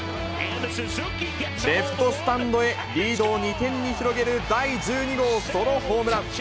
レフトスタンドへ、リードを２点に広げる第１２号ソロホームラン。